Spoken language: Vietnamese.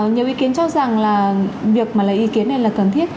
nhiều ý kiến cho rằng là việc mà lấy ý kiến này là cần thiết